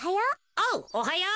おうおはよう。